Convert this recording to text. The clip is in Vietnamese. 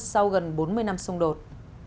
sau gần bốn mươi năm xông đột